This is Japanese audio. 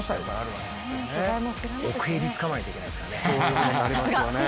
奥襟つかまないといけないですからね。